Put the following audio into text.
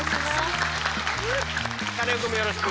カネオくんもよろしく。